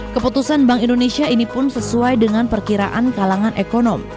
keputusan bank indonesia ini pun sesuai dengan perkiraan kalangan ekonom